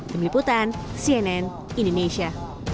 demi putan cnn indonesia